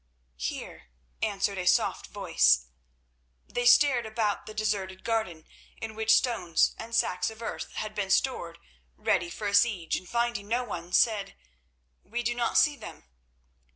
"Here," answered a soft voice. They stared about the deserted garden in which stones and sacks of earth had been stored ready for a siege, and finding no one, said: "We do not see them."